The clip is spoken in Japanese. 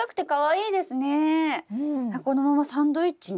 このままサンドイッチに？